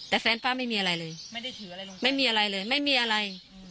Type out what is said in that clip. แต่แฟนป้าไม่มีอะไรเลยไม่มีอะไรเลยไม่มีอะไร